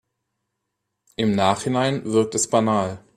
Im Nachhinein wirkt es banal.